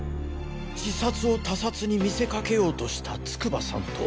自殺を他殺に見せかけようとした筑波さんと。